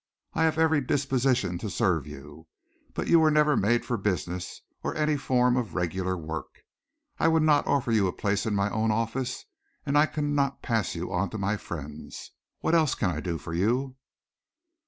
I have every disposition to serve you. But you were never made for business, or any form of regular work. I would not offer you a place in my own office, and I cannot pass you on to my friends. What else can I do for you?"